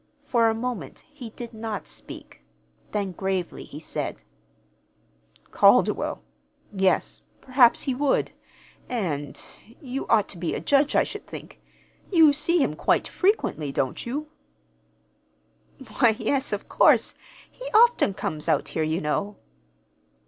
For a moment he did not speak; then, gravely, he said: "Calderwell? Yes, perhaps he would; and you ought to be a judge, I should think. You see him quite frequently, don't you?" "Why, yes, of course. He often comes out here, you know."